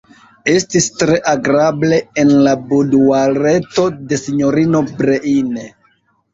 Estis tre agrable en la buduareto de sinjorino Breine.